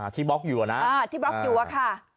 บล็อกอยู่นะที่บล็อกอยู่อะค่ะ